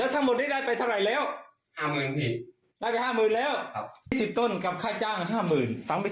เริ่มทำเลยทีพี่ให้เจ้าเต้นตัวน่ะทีประปาภัยนะพี่